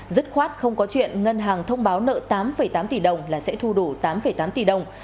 dứt khoát không có chuyện ngân hàng thông báo nợ tám tám tỷ đồng là sẽ thu đủ tám tám tỷ đồng